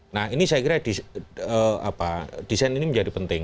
nah ini saya kira desain ini menjadi penting